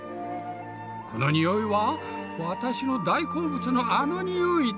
この匂いは私の大好物のあの匂いだ。